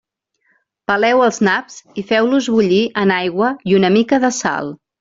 Peleu els naps i feu-los bullir en aigua i una mica de sal.